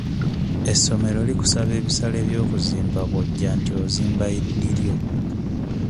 Essomero likusaba ebisale by'okuzimba bw'ojja nti ozimba liryo.